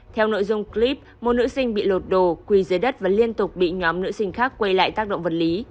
theo nội dung clip một nữ sinh bị lột đồ quỳ dưới đất và liên tục bị nhóm nữ sinh khác quay lại tác động vật lý